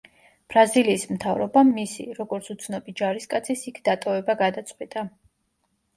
ბრაზილიის მთავრობამ მისი, როგორც უცნობი ჯარისკაცის იქ დატოვება გადაწყვიტა.